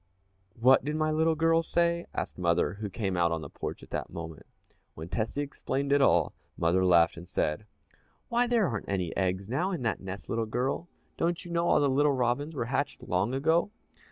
"What did my little girl say?" asked mother, who came out on the porch at that moment. When Tessie explained it all, mother laughed and said, "Why, there aren't any eggs now in that nest, little girl don't you know all the little robins were hatched long ago?"